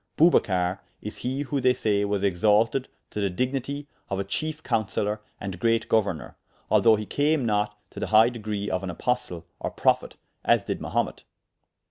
Bubacar is he who they say was exalted to the dignitie of a chiefe counseller and great gouernour, although he came not to the high degree of an apostle, or prophet, as dyd Mahumet.